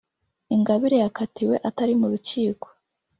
Ingabire yakatiwe atari mu rukiko